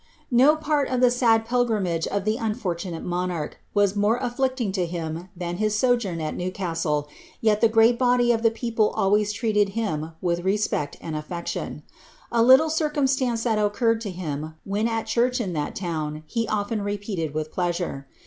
No part of the sad pilgrima>re of tlic unfortunate monarch was more afflicting to him than his sojourn at Newcastle, yet the great body of the people always treated him with respect and affection. A little cii^ rumstance that occurred to him when at church in that town he often repeated with pleasure.